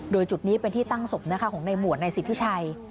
โดยจุดนี้เป็นที่ตั้งศพนะคะของในหมวดในสิทธิชัย